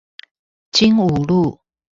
經武路